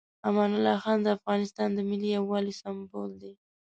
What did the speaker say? امان الله خان د افغانستان د ملي یووالي سمبول دی.